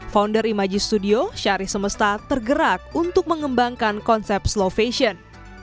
founder imaji studio shari semesta tergerak untuk mengembangkan konsep slow fashion